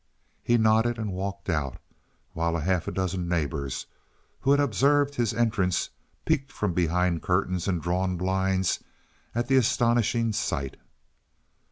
He nodded and walked out, while a half dozen neighbors, who had observed his entrance, peeked from behind curtains and drawn blinds at the astonishing sight.